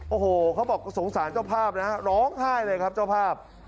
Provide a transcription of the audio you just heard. โอ้โหเขาบอกสงสารเจ้าภาพนะฮะร้องไห้เลยครับเจ้าภาพ